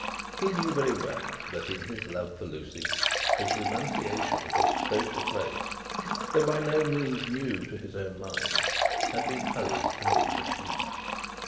He knew very well, that in his love for Lucie, his renunciation of his social place, though by no means new to his own mind, had been hurried and incomplete.